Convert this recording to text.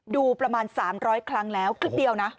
ดูประมาณ๓๐๐ครั้งแล้วคลิปเดียวนะ